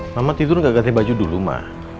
mama tidur gak ganti baju dulu mah